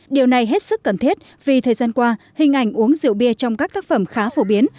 điều này hết sức cần thiết vì thời gian qua hình ảnh uống rượu bia trong các tác phẩm khá phổ biến